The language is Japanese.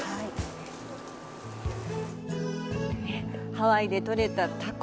ハワイで取れたタコ。